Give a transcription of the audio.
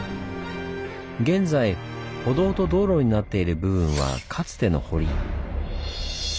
現在歩道と道路になっている部分はかつての堀。